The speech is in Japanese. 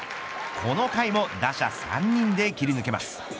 この回も打者３人で切り抜けます。